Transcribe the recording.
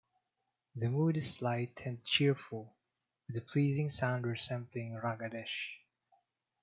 The mood is light and cheerful, with a pleasing sound resembling Raga Desh.